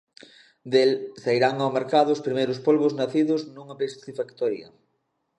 Del sairán ao mercado os primeiros polbos nacidos nunha piscifactoría.